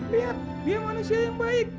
lihat dia manusia yang baik